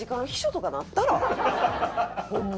ホンマ